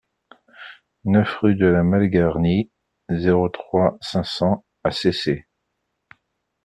neuf rue de la Malgarnie, zéro trois, cinq cents à Cesset